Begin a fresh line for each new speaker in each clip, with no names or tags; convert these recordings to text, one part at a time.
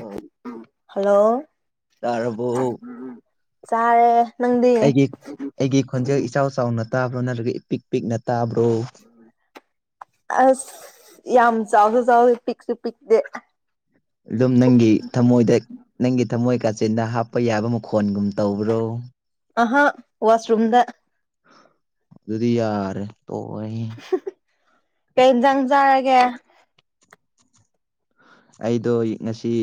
ꯑꯣ
ꯍꯜꯂꯣ
ꯇꯥꯔꯕꯣ
ꯆꯥꯔꯦ ꯅꯪꯗꯤ
ꯑꯩꯒꯤ ꯑꯩꯒꯤ ꯈꯣꯟꯖꯦꯜ ꯏꯆꯥꯎ ꯆꯥꯎꯅ ꯇꯥꯕ꯭ꯔꯣ ꯅꯠꯇ꯭ꯔꯒ ꯏꯄꯤꯛ ꯄꯤꯛꯅ ꯇꯥꯕ꯭ꯔꯣ
ꯑꯁ ꯌꯥꯝ ꯆꯥꯎꯁꯨ ꯆꯥꯎꯗꯦ ꯄꯤꯛꯁꯨ ꯄꯤꯛꯇꯦ
ꯑꯗꯨꯝ ꯅꯪꯒꯤ ꯊꯝꯃꯣꯏꯗ ꯅꯪꯒꯤ ꯊꯝꯃꯣꯏ ꯀꯥꯆꯤꯟꯗ ꯍꯥꯞꯄ ꯌꯥꯕ ꯃꯈꯣꯟꯒꯨꯝ ꯇꯧꯕ꯭ꯔꯣ
ꯑꯍꯥ ꯋꯥꯁꯔꯨꯝꯗ
ꯑꯗꯨꯗꯤ ꯌꯥꯔꯦ ꯇꯣꯛ [unintelligible]
ꯀꯩ ꯏꯟꯖꯥꯡ ꯆꯥꯔꯒꯦ
ꯑꯩꯗꯣ ꯉꯁꯤ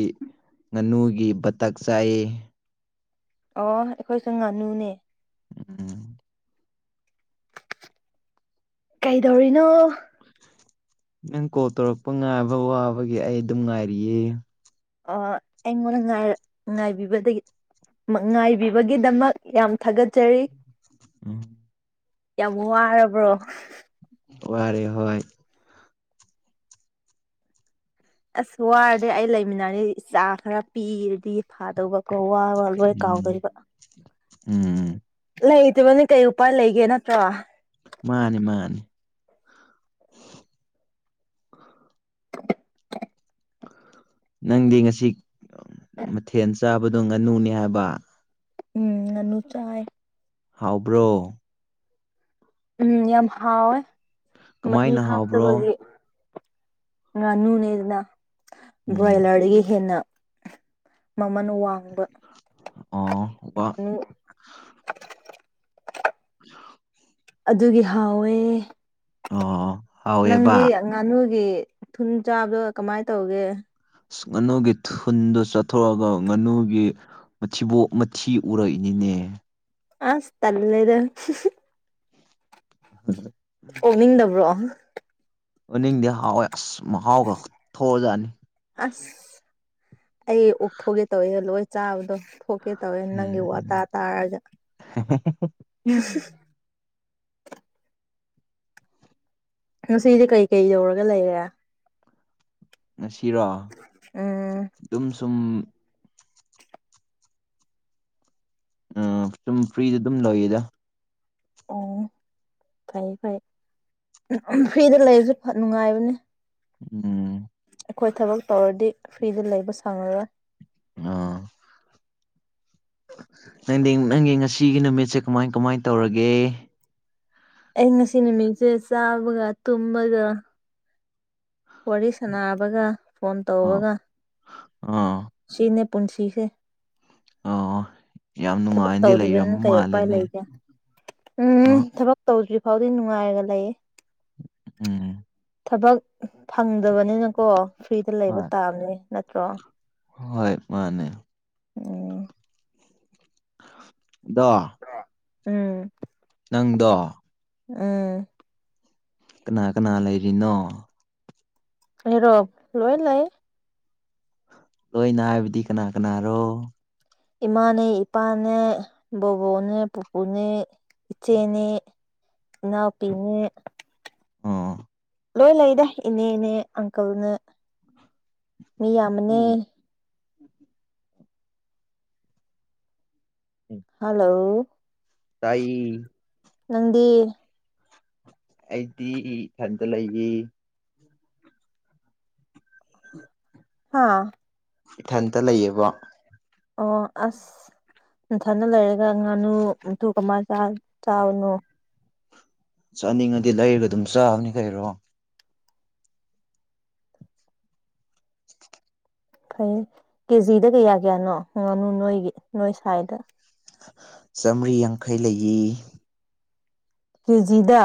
ꯉꯥꯅꯨꯒꯤ ꯕꯇꯥꯛ ꯆꯥꯏꯌꯦ
ꯑꯣ ꯑꯩꯈꯣꯏꯁꯨ ꯉꯥꯅꯨꯅꯦ
ꯎꯝ
ꯀꯩꯗꯧꯔꯤꯅꯣ
ꯅꯪ ꯀꯣꯜ ꯇꯧꯔꯛꯄ ꯉꯥꯏꯕ ꯋꯥꯕꯒꯤ ꯑꯩ ꯑꯗꯨꯝ ꯉꯥꯏꯔꯤꯌꯦ
ꯑ ꯑꯩꯉꯣꯟꯗꯉꯥꯏ ꯉꯥꯏꯕꯤꯕꯗꯒꯤ ꯉꯥꯏꯕꯤꯕꯒꯤꯗꯃꯛ ꯌꯥꯝ ꯊꯥꯒꯠꯆꯔꯤ
ꯎꯝ
ꯌꯥꯝ ꯋꯥꯔꯕ꯭ꯔꯣ
ꯋꯥꯔꯦ ꯍꯣꯏ
ꯑꯁ ꯋꯥꯔꯗꯤ ꯑꯩ ꯂꯩꯃꯤꯟꯅꯔꯗꯤ ꯆꯥ ꯈꯔ ꯄꯤꯔꯗꯤ ꯐꯥꯗꯧꯕ ꯀꯣ ꯋꯥꯕ ꯂꯣꯏ
ꯎꯝ
ꯀꯥꯎꯗꯣꯏꯕ
ꯎꯝ
ꯂꯩꯇꯕꯅꯤ ꯀꯩ ꯎꯄꯥꯏ ꯂꯩꯒꯦ ꯅꯠꯇ꯭ꯔꯣ
ꯃꯥꯅꯤ ꯃꯥꯅꯤ ꯅꯪꯗꯤ ꯉꯁꯤ ꯃꯊꯦꯜ ꯆꯥꯕꯗꯣ ꯉꯥꯅꯨꯅꯦ ꯍꯥꯏꯕ
ꯎꯝ ꯉꯅꯨ ꯆꯥꯏ
ꯍꯥꯎꯕ꯭ꯔꯣ
ꯎꯝ ꯌꯥꯝ ꯍꯥꯎꯋꯦ ꯃꯍꯤ
ꯀꯃꯥꯏꯅ ꯍꯥꯎꯕ꯭ꯔꯣ
ꯍꯥꯞꯇꯕꯒꯤ ꯉꯥꯅꯨꯅꯦ ꯑꯗꯨꯅ
ꯎꯝ
ꯕꯣꯏꯂꯔꯗꯒꯤ ꯍꯦꯟꯅ ꯃꯃꯜ ꯋꯥꯡꯕ
ꯑꯣ ꯋꯥ
[unintelligible]
[unintelligible]
ꯑꯗꯨꯒꯤ ꯍꯥꯎꯋꯦ
ꯑꯣ
ꯅꯪꯗꯤ
ꯍꯥꯎꯋꯦꯕ
ꯉꯥꯅꯨꯒꯤ ꯊꯨꯟ ꯆꯥꯕꯗꯣ ꯀꯃꯥꯏꯅ ꯇꯧꯒꯦ
ꯉꯥꯅꯨꯒꯤ ꯊꯨꯟꯗꯨ ꯆꯠꯊꯣꯛꯑꯒ ꯉꯥꯅꯨꯒꯤ ꯃꯊꯤꯕꯣꯛ ꯃꯊꯤ ꯎꯔꯛꯏꯅꯤꯅꯦ
ꯑꯁ ꯇꯜꯂꯦꯗ
[unintelligible]
ꯑꯣꯛꯅꯤꯡꯗꯕ꯭ꯔꯣ
ꯎꯅꯤꯡꯗꯤ ꯍꯥꯎꯋꯦ ꯑꯁ ꯃꯍꯥꯎ ꯈꯛ ꯊꯣꯛꯑꯖꯅꯤ
ꯑꯁ ꯑꯩ ꯑꯣꯛꯊꯣꯛꯒꯦ ꯇꯧꯋꯦ ꯂꯣꯏ ꯆꯥꯕꯗꯣ ꯊꯣꯛꯀꯦ ꯇꯧꯋꯦ
ꯎꯝ
ꯅꯪꯒꯤ ꯋꯥ ꯇꯥ ꯇꯥꯔꯒ ꯉꯁꯤꯗꯤ ꯀꯩ ꯀꯩ ꯗꯧꯔꯒ ꯂꯩꯔꯦ
ꯉꯁꯤꯔꯣ
ꯎꯝ
ꯑꯗꯨꯝ ꯁꯨꯝ ꯎꯝ ꯁꯨꯝ ꯐ꯭ꯔꯤꯗ ꯑꯗꯨꯝ ꯂꯩꯌꯦꯗ
ꯑꯣ ꯐꯩ ꯐꯩ ꯐ꯭ꯔꯤꯗ ꯂꯩꯔꯁꯨ ꯅꯨꯡꯉꯥꯏꯕꯅꯦ
ꯎꯝ
ꯑꯩꯈꯣꯏ ꯊꯕꯛ ꯇꯧꯔꯗꯤ ꯐ꯭ꯔꯤꯗ ꯂꯩꯕ ꯁꯥꯡꯉꯔꯣꯏ
ꯑ ꯅꯪꯗꯤ ꯅꯪꯒꯤ ꯉꯁꯤꯒꯤ ꯅꯨꯃꯤꯠꯁꯦ ꯀꯃꯥꯏ ꯀꯃꯥꯏ ꯇꯧꯔꯒꯦ
ꯑꯩ ꯉꯁꯤ ꯅꯨꯃꯤꯠꯁꯦ ꯆꯥꯕꯒ ꯇꯨꯝꯕꯒ ꯋꯥꯔꯤ ꯁꯥꯟꯅꯕꯒ ꯐꯣꯟ
ꯑꯥ
ꯇꯧꯕꯒ
ꯑꯥ
ꯁꯤꯅꯦ ꯄꯨꯟꯁꯤꯁꯦ
ꯑꯥ
ꯊꯕꯛ ꯇꯧꯗꯕꯅ ꯀꯩ ꯎꯄꯥꯏ ꯂꯩꯒꯦ ꯎꯝ
ꯑ
ꯊ ꯇꯧꯗ꯭ꯔꯤ ꯐꯥꯎꯗꯤ ꯅꯨꯡꯉꯥꯏꯔꯒ ꯂꯩꯌꯦ
ꯎꯝ
ꯊꯕꯛ ꯐꯪꯗꯕꯅꯤꯅꯀꯣ ꯐ꯭ꯔꯤꯗ
ꯍꯣꯏ
ꯂꯩꯕ ꯇꯥꯕꯅꯦ ꯅꯠꯇ꯭ꯔꯣ
ꯍꯣꯏ ꯃꯥꯅꯦ
ꯑꯣ
ꯗꯣ
ꯎꯝ
ꯅꯪꯗꯣ
ꯎꯝ
ꯀꯅꯥ ꯀꯅꯥ ꯂꯩꯔꯤꯅꯣ
ꯑꯩꯔꯣ ꯂꯣꯏ ꯂꯩ
ꯂꯣꯏꯅ ꯍꯥꯏꯕꯗꯤ ꯀꯅꯥ ꯀꯅꯥꯔꯣ
ꯏꯃꯥꯅꯦ ꯏꯄꯥꯅꯦ ꯕꯣꯕꯣꯛꯅꯦ ꯄꯨꯄꯨꯅꯦ ꯏꯆꯦꯅꯦ ꯏꯅꯥꯎꯄꯤꯅꯦ
ꯑꯣꯥ
ꯂꯣꯏ ꯂꯩꯗ ꯏꯅꯦ ꯏꯅꯦ ꯑꯪꯀꯜꯅ ꯃꯤ ꯌꯥꯝꯃꯅꯦ
ꯎꯝ ꯎꯝ
ꯍꯜꯂꯣ
ꯇꯥꯏ
ꯅꯪꯗꯤ
ꯑꯩꯗꯤ ꯏꯊꯟꯇ ꯂꯩꯔꯤ [unintelligible]
ꯍꯥꯥ
ꯏꯊꯟꯇ ꯂꯩꯌꯦꯕ
ꯑꯣ ꯑꯁ ꯅꯟꯊꯅ ꯂꯩꯔꯒ ꯉꯥꯅꯨꯨ ꯀꯃꯥꯏꯅ ꯆꯥꯕꯅꯣ
ꯆꯥꯅꯤꯡꯉꯗꯤ ꯂꯩꯔꯒ ꯑꯗꯨꯝ ꯆꯥꯕꯅꯤ ꯀꯔꯣ
ꯐꯩ ꯀꯦꯖꯤꯗ ꯀꯌꯥ ꯀꯌꯥꯅꯣ ꯉꯥꯅꯨ ꯅꯣꯏꯒꯤ ꯅꯣꯏ ꯁ꯭ꯋꯥꯏꯗ
ꯆꯥꯝꯔꯤ ꯌꯥꯡꯈꯩ ꯂꯩꯌꯦ
ꯀꯦꯖꯤꯗ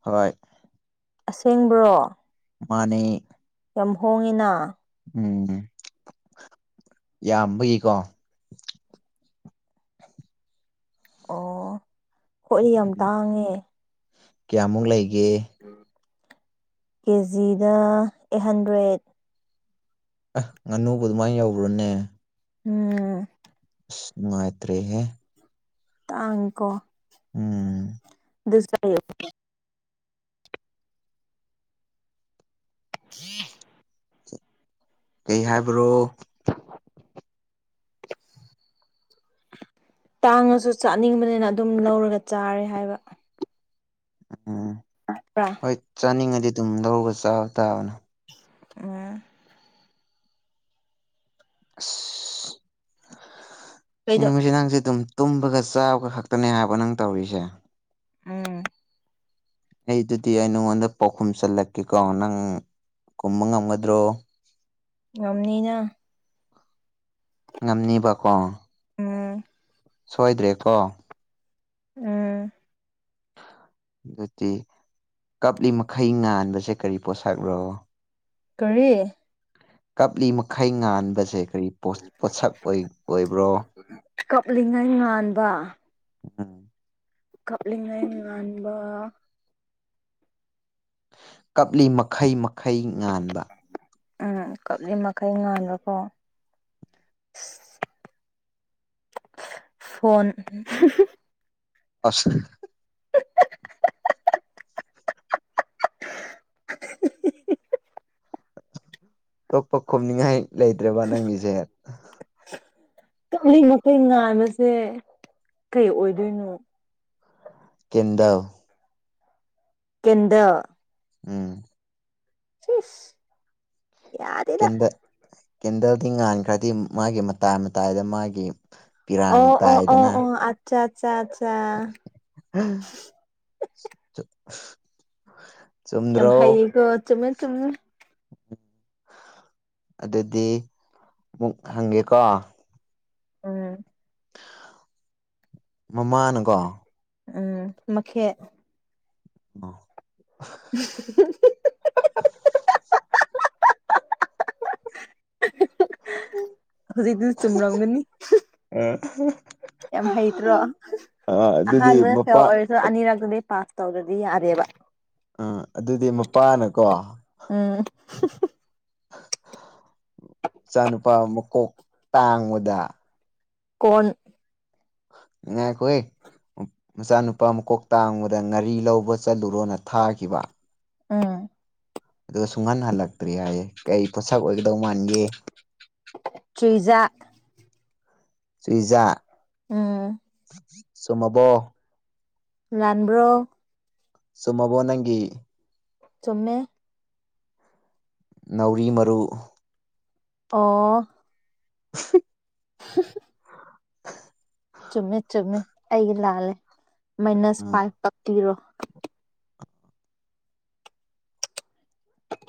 ꯍꯣꯏ
ꯑꯁꯦꯡꯕ꯭ꯔꯣ
ꯃꯥꯅꯦ
ꯌꯥꯝ ꯍꯣꯡꯉꯤꯅ
ꯎꯝ ꯌꯥꯝꯕꯒꯤꯀꯣ
ꯑꯣ ꯍꯣꯏ ꯌꯥꯝ ꯇꯥꯡꯉꯦ
ꯀꯌꯥꯃꯨꯛ ꯂꯩꯒꯦ
ꯀꯦꯖꯤꯗ ꯑꯩꯠ ꯍꯟꯗ꯭ꯔꯦꯠ
ꯑ ꯉꯥꯅꯨꯕ ꯑꯗꯨꯃꯥꯏꯅ ꯌꯧꯕ꯭ꯔꯣꯅꯦ
ꯎꯝ
ꯅꯨꯡꯉꯥꯏꯇ꯭ꯔꯦꯍꯦ
ꯇꯥꯡꯀꯣ
ꯎꯝ
ꯌꯦ [unintelligible]
ꯀꯩ ꯍꯥꯏꯕ꯭ꯔꯣ
ꯇꯥꯡꯉꯁꯨ ꯆꯥꯅꯤꯡꯕꯅꯤꯅ ꯑꯗꯨꯝ ꯂꯧꯔꯒ ꯆꯥꯔꯦ ꯍꯥꯏꯕ
ꯎꯝ
ꯕ꯭ꯔ
ꯍꯣꯏ ꯆꯥꯅꯤꯡꯉꯗꯤ ꯑꯗꯨꯝ ꯂꯧꯔꯒ ꯆꯥꯕ ꯇꯥꯕꯅꯣ
ꯎꯝ
ꯑ
ꯀꯩꯗꯣ
ꯁꯤꯅꯃꯤ ꯅꯪꯁꯦ ꯑꯗꯨꯝ ꯇꯨꯝꯕꯒ ꯆꯥꯕꯒ ꯈꯛꯇꯅꯦ ꯍꯥꯏꯕ ꯅꯪ ꯇꯧꯔꯤꯁꯦ
ꯎꯝ
ꯑꯩ ꯑꯗꯨꯗꯤ ꯑꯩ ꯅꯉꯣꯟꯗ ꯄꯥꯎꯈꯨꯝ ꯆꯜꯂꯛꯀꯦꯀꯣ ꯅꯪ ꯀꯨꯝꯕ ꯉꯝꯒꯗ꯭ꯔꯣ
ꯉꯝꯅꯤꯅ
ꯉꯝꯅꯤꯕꯀꯣ
ꯎꯝ
ꯁꯣꯏꯗ꯭ꯔꯦ ꯀꯣ
ꯎꯝ
ꯑꯗꯨꯗꯤ ꯀꯞꯂꯤ ꯃꯈꯩ ꯉꯥꯟꯕꯁꯦ ꯀꯔꯤ ꯄꯣꯠꯁꯛꯂꯣ
ꯀꯔꯤ
ꯀꯞꯂꯤ ꯃꯈꯩ ꯉꯥꯟꯕꯁꯦ ꯀꯔꯤ ꯄꯣꯠꯁꯛ ꯑꯣꯏꯕ꯭ꯔꯣ
ꯀꯞꯂꯤꯉꯩ ꯉꯥꯟꯕ
ꯑ
ꯀꯕꯂꯤꯕ
ꯀꯞꯂꯤ ꯃꯈꯩ ꯃꯈꯩ ꯉꯥꯟꯕ
ꯎꯝ ꯀꯞꯂꯤ ꯃꯈꯩ ꯉꯥꯡꯕꯀꯣ ꯐꯣꯟ
ꯑꯁ ꯑꯇꯣꯞꯄ ꯈꯣꯨꯝꯅꯤꯡꯉꯥꯏ ꯂꯩꯇ꯭ꯔꯦꯕ ꯅꯪꯒꯤꯁꯦ
ꯀ ꯃꯈꯩ ꯉꯥꯏꯥꯟꯕꯁꯦ ꯀꯩ ꯑꯣꯏꯗꯣꯏꯅꯣ
ꯀꯦꯟꯗ
ꯀꯗ
ꯎꯝ
ꯁꯤꯤꯁ
ꯀꯦꯟꯗꯜ ꯀꯦꯟꯗꯜꯗꯤ ꯉꯥꯟꯈ꯭ꯔꯗꯤ ꯃꯥꯒꯤ ꯃꯇꯥꯏ ꯃꯇꯥꯏꯗ ꯃꯥꯒꯤ ꯄꯤꯔꯥꯡ
ꯑꯣ ꯑꯣ ꯑꯣ
ꯇꯥꯏꯗꯅ
ꯑꯣ ꯑꯠꯆꯥ ꯑꯠꯆꯥ ꯑꯠꯆꯥ
[unintelligible]
ꯌꯥꯝ ꯍꯩꯌꯦꯒꯣ ꯆꯨꯝꯃꯦ ꯆꯨꯝꯃꯦ
ꯑꯗꯨꯗꯤ ꯑꯃꯨꯛ ꯍꯪꯒꯦꯀꯣ
ꯎꯝ
ꯃꯃꯥꯟꯒ
ꯎꯝ ꯃꯈꯦꯠ
ꯑ
ꯎ
[inaudible]
ꯍꯧꯖꯤꯛ ꯏꯗꯤ ꯆꯨꯝꯅꯪꯗꯅꯤ
ꯎꯝ
ꯌꯥꯝ ꯍꯩꯇ꯭ꯔꯣ
ꯑꯗꯨꯗꯤ
ꯑꯍꯥꯟꯕꯗ ꯍ
ꯃꯄꯥ
ꯑꯣꯏꯔꯁ ꯑꯅꯤꯔꯛꯇꯗꯤ ꯄꯥꯁ ꯇꯧꯔꯗꯤ ꯌꯥꯔꯦꯕ
ꯑꯥ ꯑꯗꯨꯗꯤ ꯃꯄꯥꯅꯀꯣ
ꯎꯝ
ꯏꯆꯥꯅꯨꯄꯥ ꯃꯀꯣꯛ ꯇꯥꯡꯕꯗ
ꯀꯣꯟ
ꯉꯥꯢꯈꯣꯍꯦ ꯃꯆꯥꯅꯨꯄꯥ ꯃꯀꯣꯛ ꯇꯥꯡꯕꯗ ꯉꯥꯔꯤ ꯂꯧꯕ ꯆꯠꯂꯨꯔꯣꯅ ꯊꯥꯈꯤꯕ
ꯑꯥ
ꯑꯗꯣ ꯁꯨꯡꯍꯟ ꯍꯜꯂꯛꯇ꯭ꯔꯦ ꯍꯥꯏꯌꯦ ꯀꯩ ꯄꯣꯠꯁꯛ ꯑꯣꯏꯒꯗꯧ ꯃꯥꯟꯒꯦ
ꯆꯨꯢꯖꯥꯛ
ꯆꯨꯏꯖꯥꯛ
ꯎꯝ
ꯆꯨꯝꯃꯕꯣ
ꯂꯥꯟꯕ꯭ꯔꯣ
ꯆꯨꯝꯃꯕꯣ ꯅꯪꯒꯤ
ꯆꯨꯝꯃꯦ
ꯅꯥꯎꯔꯤ ꯃꯔꯨ
ꯑꯣ
[inaudible]
ꯍ [inaudible] ꯆꯨꯝꯃꯦ ꯆꯨꯝꯃꯦ ꯑꯩꯒꯤ ꯂꯥꯜꯂꯦ ꯃꯥꯏꯅꯁ
ꯎꯝ
ꯐꯥꯏꯚ ꯀꯛꯄꯤꯔꯣ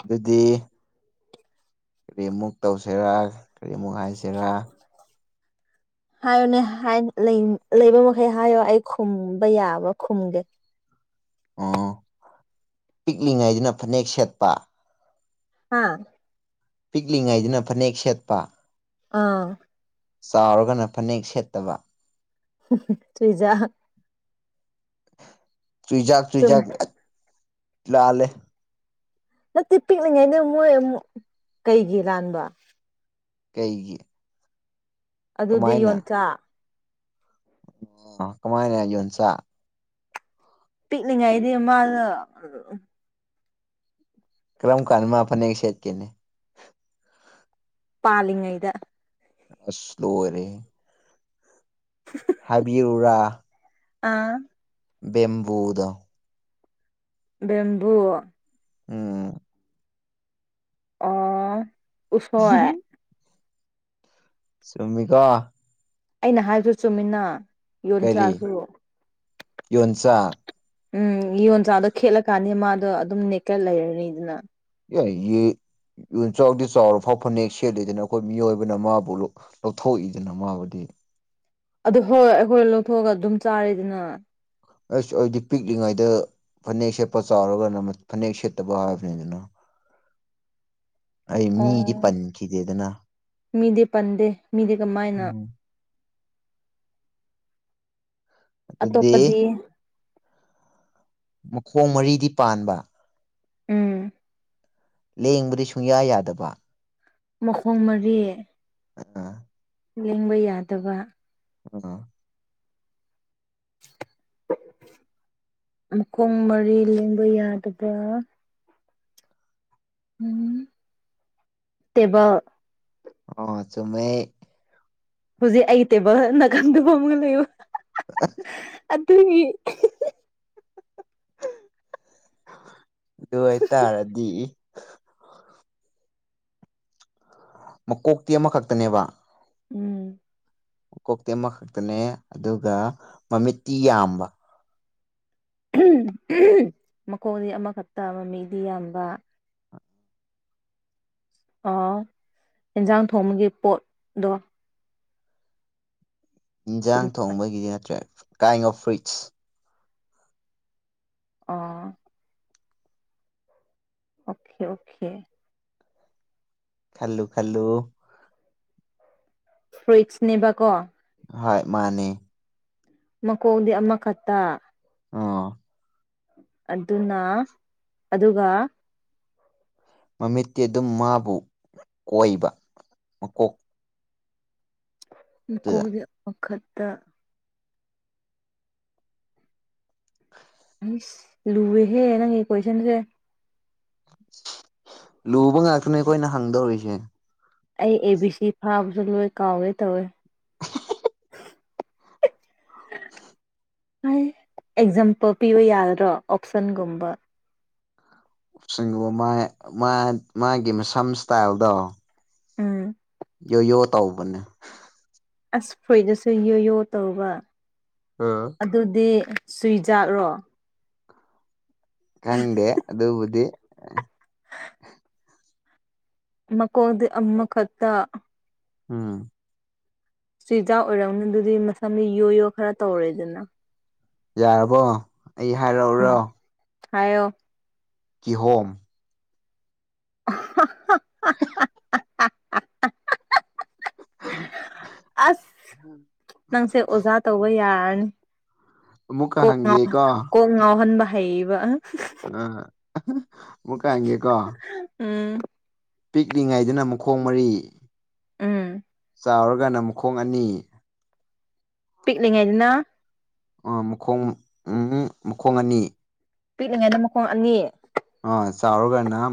ꯑꯗꯨꯗꯤ ꯀꯔꯤꯃꯨꯛ ꯇꯧꯁꯤꯔꯥ ꯀꯔꯤꯃꯨꯛ ꯍꯥꯏꯁꯤꯔꯥ
ꯍꯥꯏꯌꯨꯅꯦ ꯍꯥꯏ ꯂꯩꯕ ꯃꯈꯩ ꯍꯥꯏꯌꯣ ꯑꯩ ꯈꯨꯝꯕ ꯌꯥꯕ ꯈꯨꯝꯒꯦ
ꯎ ꯄꯤꯛꯂꯤꯉꯩꯗꯅ ꯐꯅꯦꯛ ꯁꯦꯠꯄ
ꯍꯥ
ꯄꯤꯛꯂꯤꯉꯩꯗꯅ ꯐꯅꯦꯛ ꯁꯦꯠꯄ
ꯑꯥ
ꯆꯥꯎꯔꯒꯅ ꯐꯅꯦꯛ ꯁꯦꯠꯇꯕ
ꯆꯨꯢꯖꯥꯛ
ꯆꯨꯏꯖꯥꯛ
ꯆꯨꯝ
ꯆꯨꯏꯖꯥꯛ ꯂꯜꯂꯦ
ꯅꯠꯇꯦ ꯄꯤꯛꯂꯤꯉꯥꯏꯗ ꯃꯣꯏ ꯑꯃꯨꯛ ꯀꯩꯒꯤ ꯂꯥꯟꯕ
ꯀꯩꯒꯤ
ꯑꯗꯨꯗꯤ
ꯀꯃꯥꯏꯅ
ꯌꯣꯟꯆꯥꯛ
ꯑꯣ ꯀꯃꯥꯢꯅ ꯌꯣꯟꯆꯥꯛ
ꯄꯤꯛꯂꯤꯉꯩꯗꯤ ꯃꯥꯗꯣ
ꯀ꯭ꯔꯝꯀꯥꯟꯃꯥ ꯐꯥꯅꯦꯛ ꯁꯦꯠꯀꯦ
ꯄꯥꯂꯤꯉꯩꯗ
ꯑꯁ ꯂꯣꯏꯔꯦꯍꯦ
[inaudible]
ꯍꯥꯏꯕꯤꯌꯨꯔꯥ
ꯑꯥ
ꯕꯦꯝꯕꯨꯨꯗꯣ
ꯕꯦꯝꯕꯨꯨ
ꯎꯝ
ꯑꯣ ꯎꯁꯣꯏ
ꯆꯨꯝꯃꯤꯀꯣ
ꯑꯩꯅ ꯍꯥꯏꯕꯁꯨ ꯆꯨꯝꯃꯤꯅ
ꯀꯔꯤ
ꯌꯣꯟꯆꯥꯛꯁꯨ
ꯌꯣꯟꯆꯥꯛ
ꯎꯝ ꯌꯣꯟꯆꯥꯛꯗꯣ ꯈꯦꯠꯂꯀꯥꯟꯅꯤ ꯃꯥꯗꯣ ꯑꯗꯨꯝ ꯅꯦꯀꯦꯠ ꯂꯩꯔꯅꯤꯗꯅ
ꯌꯣꯟꯆꯥꯛꯗꯤ ꯆꯥꯎꯔ ꯐꯥꯎ ꯐꯅꯦꯛ ꯁꯦꯠꯂꯤꯗꯅ ꯑꯩꯈꯣꯏ ꯃꯤꯑꯣꯏꯕꯅ ꯃꯥꯕꯨ ꯂꯧꯊꯣꯛꯏꯗꯅ ꯃꯥꯕꯨꯗꯤ
ꯑꯗꯨ ꯍꯣꯏ ꯍꯣꯏ ꯑꯩꯈꯣꯏ ꯂꯧꯊꯣꯛꯑꯒ ꯑꯗꯨꯝ ꯆꯥꯔꯦꯗꯅ
ꯑꯁ ꯑꯩꯗꯤ ꯄꯤꯛꯂꯤꯉꯩꯗ ꯐꯅꯦꯛ ꯁꯦꯠꯄ ꯆꯥꯎꯔꯒꯅ ꯐꯅꯦꯛ ꯁꯦꯠꯇꯕ ꯍꯥꯏꯕꯅꯤꯗ
[unintelligible]
ꯃꯤꯗꯤ
ꯑꯣ
ꯄꯟꯈꯤꯗꯦꯗꯅ
ꯃꯤꯗꯤ ꯄꯟꯗꯦ ꯃꯤꯗꯤ ꯀꯃꯥꯏꯅ
ꯎꯝ ꯑꯗꯨꯗꯤ
ꯑꯇꯣꯞꯄꯗꯤ
ꯃꯈꯣꯡ ꯃꯔꯤꯗꯤ ꯄꯥꯟꯕ
ꯎꯝ
ꯂꯦꯡꯕꯗꯤ ꯁꯨꯡꯌꯥ ꯌꯥꯗꯕ
ꯃꯈꯣꯡ ꯃꯔꯤ
ꯑꯥ
ꯂꯦꯡꯕ ꯌꯥꯗꯕ
ꯑꯥ
ꯃꯈꯣꯡ ꯃꯔꯤ ꯂꯦꯡꯕ ꯌꯥꯗꯕ ꯎꯝ ꯇꯦꯕꯜ
ꯑꯣ ꯆꯨꯝꯃꯦ
ꯍꯧꯖꯤꯛ ꯑꯩ ꯇꯦꯕꯜ ꯅꯥꯒꯥꯟꯗ ꯐꯝꯂꯒ ꯂꯩꯕ
ꯑ [inaudible]
ꯑꯗꯨꯒꯤ
ꯑꯗꯨ ꯑꯣꯏꯇꯥꯔꯗꯤ ꯃꯀꯣꯛꯇꯤ ꯑꯃꯈꯛꯇꯅꯦꯕ
ꯎꯝ
ꯀꯣꯛꯇꯤ ꯑꯃꯈꯛꯇꯅꯦ ꯑꯗꯨꯒ ꯃꯃꯤꯠꯇꯤ ꯌꯥꯝꯕ
ꯃꯈꯣꯡꯗꯤ ꯑꯃꯈꯛꯇ ꯃꯃꯤꯗꯤ ꯌꯥꯝꯕ ꯌꯦꯟꯖꯥꯡ ꯊꯣꯡꯕꯒꯤ ꯄꯣꯠꯗꯣ ꯁꯨꯝ
ꯏꯟꯁꯥꯡ ꯊꯣꯡꯕꯒꯤꯗꯤ ꯅꯠꯇ꯭ꯔꯦ ꯀꯥꯏꯟ ꯑꯣꯐ ꯐ꯭ꯔꯨꯏꯠꯁ
ꯑꯣ ꯑꯣꯀꯦ ꯑꯣꯀꯦ
ꯈꯜꯂꯨ ꯈꯜꯂꯨ
ꯐ꯭ꯔꯨꯏꯠꯁꯅꯦꯕꯀꯣ
ꯍꯣꯏ ꯃꯥꯅꯦ
ꯃꯀꯣꯡꯗꯤ ꯑꯃꯈꯛꯇ
ꯑꯣ
ꯑꯗꯨꯅ ꯑꯗꯨꯒ
ꯃꯃꯤꯠꯇꯤ ꯑꯗꯨꯝ ꯃꯥꯕꯨ ꯀꯣꯏꯕ ꯃꯀꯣꯛ
ꯃꯥꯀꯣꯛ ꯑꯃꯈꯛꯇ ꯑꯥꯏꯁ ꯂꯨꯔꯦꯍꯦ ꯅꯪꯒꯤ ꯀꯣꯏꯁꯟꯁꯦ
ꯂꯨꯕ ꯉꯥꯛꯇꯅꯦ ꯑꯩꯈꯣꯏꯅ ꯍꯪꯗꯧꯔꯤꯁꯦ
ꯑꯩ ꯑꯦ ꯕꯤ ꯁꯤ ꯐꯥꯕꯁꯨ ꯂꯣꯏ ꯀꯥꯎꯒꯦ ꯇꯧꯋꯦ [unintelligible] ꯑꯦꯛꯖꯥꯝꯄꯜ ꯄꯤꯕ ꯌꯥꯒꯗ꯭ꯔꯣ ꯑꯣꯞꯁꯟꯒꯨꯝꯕ
ꯁꯤꯡꯃꯥꯏ ꯃꯥ ꯃꯥꯒꯤ ꯃꯁꯝ ꯏꯁꯇꯥꯏꯜꯗꯣ
ꯎꯝ
ꯌꯣ ꯌꯣ ꯇꯥꯎꯕꯅꯦ
ꯑꯁ ꯐꯔꯨꯢꯠꯇꯁꯨ ꯌꯣ ꯌꯣ ꯇꯧꯕ
ꯑꯥꯝ
ꯑꯗꯨꯗꯤ ꯁꯨꯏꯖꯠꯔꯣ
ꯈꯪꯗꯦ ꯑꯗꯨꯕꯨꯗꯤ
ꯃꯥꯀꯣꯛꯗꯤ ꯑꯃꯥ ꯈꯥꯛꯇ
ꯎꯝ
ꯖꯨꯏꯖꯥꯛ ꯑꯣꯏꯔꯝꯅꯤ ꯑꯗꯨꯗꯤ ꯃꯁꯝꯗꯤ ꯌꯣ ꯌꯣ ꯈꯔ ꯇꯧꯔꯦꯗꯅ
ꯌꯥꯔꯕꯣ ꯑꯩ ꯍꯥꯏꯔꯛꯑꯣꯔꯣ
ꯎꯝ ꯍꯥꯏꯌꯣ
ꯀꯤꯍꯣꯝ
[unintelligible] ꯑꯁ ꯅꯪꯁꯦ ꯑꯣꯖꯥ ꯇꯧꯕ ꯌꯥꯔꯅꯤ
ꯑꯃꯨꯛꯀ
ꯀꯣꯛ ꯉꯥꯎ
ꯍꯪꯒꯦꯀꯣ
ꯀꯣꯛ ꯉꯥꯎꯍꯟꯕ ꯍꯩꯌꯦꯕꯥ
ꯑꯥ ꯑꯥꯃꯨꯀꯥ ꯍꯪꯒꯦꯀꯣ
ꯎꯝ
ꯄꯤꯛꯂꯤꯉꯥꯏꯗꯅ ꯃꯈꯣꯡ ꯃꯔꯤ
ꯎꯝ
ꯆꯥꯎꯔꯒꯅ ꯃꯈꯣꯡ ꯑꯅꯤ
ꯄꯤꯛꯂꯤꯉꯥꯏꯅꯥ
ꯑꯥ ꯃꯈꯣꯡ ꯎꯝ ꯃꯈꯣꯡ ꯑꯅꯤ
ꯄꯤꯛꯂꯤꯉꯩꯗ ꯃꯈꯣꯡ ꯑꯅꯤ
ꯑꯣ ꯆꯥꯎꯔꯥ ꯒꯅꯥ